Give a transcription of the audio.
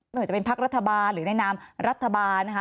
หรือจะเป็นพักฯรัฐบาลพี่แน่นำรัฐบาลนะคะ